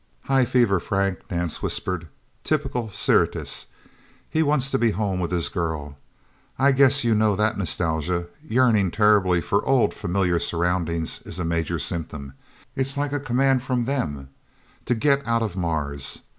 "High fever, Frank," Nance whispered. "Typical Syrtis. He wants to be home with his girl. I guess you know that nostalgia yearning terribly for old, familiar surroundings is a major symptom. It's like a command from them to get out of Mars.